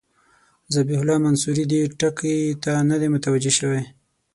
ذبیح الله منصوري دې ټکي ته نه دی متوجه شوی.